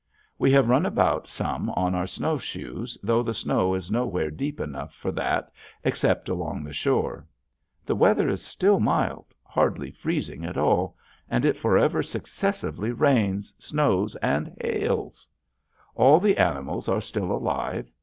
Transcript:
We have run about some on our snowshoes, though the snow is nowhere deep enough for that except along the shore. The weather is still mild hardly freezing at all and it forever successively rains, snows, and hails. All the animals are still alive.